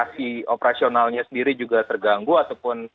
tadi kegiatan operasionalnya sendiri juga terganggu ataupun